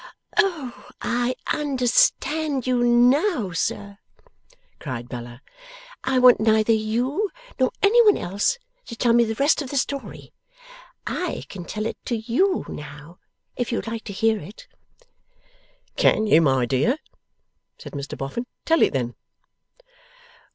'O, I understand you now, sir!' cried Bella. 'I want neither you nor any one else to tell me the rest of the story. I can tell it to YOU, now, if you would like to hear it.' 'Can you, my dear?' said Mr Boffin. 'Tell it then.